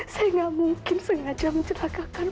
saya gak mungkin sengaja mencetakan